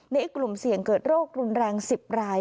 ในกลุ่มเสี่ยงเกิดโรครุนแรง๑๐ราย